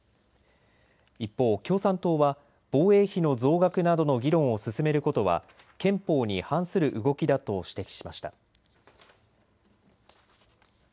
一方、共産党は防衛費の増額などの議論を進めることは憲法に反する動きだと指摘しました。